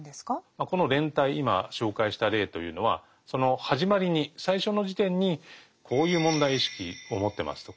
この連帯今紹介した例というのはその始まりに最初の時点に「こういう問題意識を持ってます」と。